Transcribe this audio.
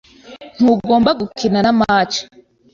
Ntugomba gukina na match.